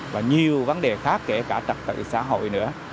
và nhiều vấn đề khác kể cả trật tự xã hội nữa